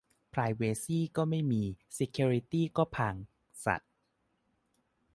"ไพรเวซี่ก็ไม่มี เซเคียวริตี้ก็พัง สัส"